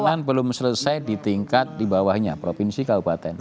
memang belum selesai di tingkat di bawahnya provinsi kabupaten